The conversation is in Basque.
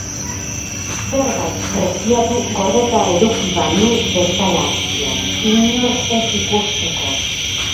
Zerbait preziatu gordeta eduki balu bezala azpian, inork ez ikusteko.